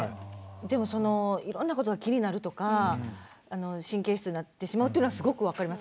いろいろなことが気になるとか神経質になってしまうというのはすごく分かります。